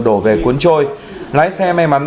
đổ về cuốn trôi lái xe may mắn